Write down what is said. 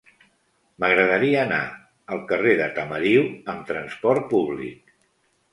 M'agradaria anar al carrer de Tamariu amb trasport públic.